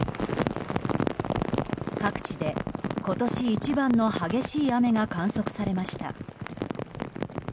各地で今年一番の激しい雨が観測されました。